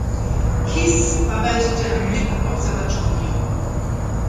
Kiess arbeitete am Lick-Observatorium.